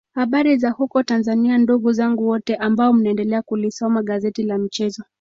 Habari za huko Tanzania ndugu zangu wote ambao mnaendelea kulisoma gazeti la michezo